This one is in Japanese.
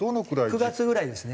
９月ぐらいですね。